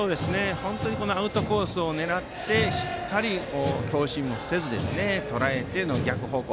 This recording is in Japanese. アウトコースを狙ってしっかり強振をせずとらえての逆方向。